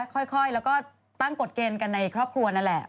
ค่อยแล้วก็ตั้งกฎเกณฑ์กันในครอบครัวนั่นแหละ